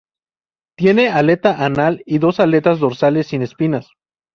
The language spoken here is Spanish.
Tienen aleta anal, y dos aletas dorsales sin espinas.